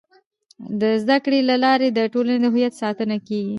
د زده کړې له لارې د ټولنې د هویت ساتنه کيږي.